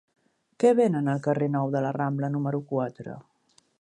Què venen al carrer Nou de la Rambla número quatre?